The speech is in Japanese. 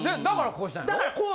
だからこうしたんやろ？